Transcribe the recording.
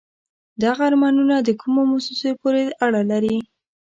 دغه آرمانون د کومو موسسو پورې اړه لري؟